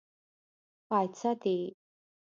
پايڅۀ دې.